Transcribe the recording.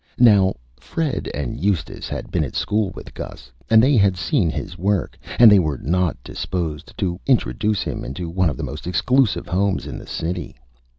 Now, Fred and Eustace had been at School with Gus, and they had seen his Work, and they were not disposed to Introduce him into One of the most Exclusive Homes in the City.